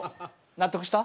納得した？